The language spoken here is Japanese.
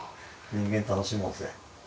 人間楽しもうぜ。